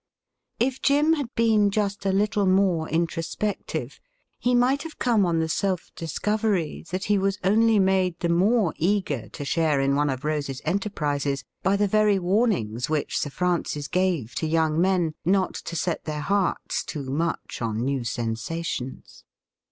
If Jim had been just a little more introspective, he might have come on the self discovery that he was only made the more eager to share in one of Rose's enterprises by the very warnings which Sir Francis gave to young men not to set their hearts too much on new sensations.